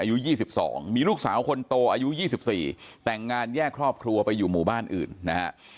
อายุยี่สิบสองมีลูกสาวคนโตอายุยี่สิบสี่แต่งงานแยกครอบครัวไปอยู่หมู่บ้านอื่นนะฮะ